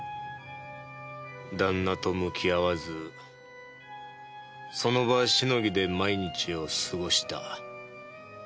旦那と向き合わずその場しのぎで毎日を過ごした。